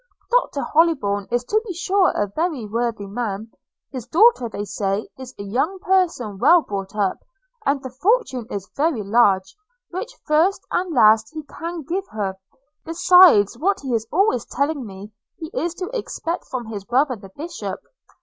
– Dr Hollybourn is to be sure a very worthy man: – his daughter, they say, is a young person well brought up; and the fortune is very large, which first and last he can give her, besides what he is always telling me he is to expect from his brother the bishop.